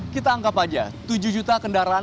kita anggap aja tujuh juta kendaraan